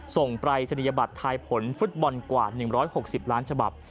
ปรายศนียบัตรทายผลฟุตบอลกว่า๑๖๐ล้านฉบับ